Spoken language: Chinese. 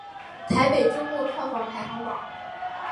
台北周末票房排行榜